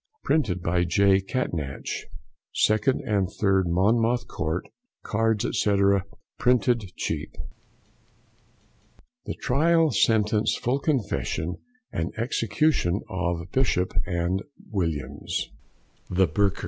Printed by J. Catnach, 2 and 3, Monmouth Court. Cards, &c., Printed Cheap. THE TRIAL, SENTENCE, FULL CONFESSION, AND EXECUTION OF BISHOP & WILLIAMS, THE BURKERS.